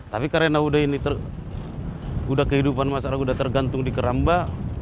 tapi karena udah kehidupan masyarakat tergantung di keramba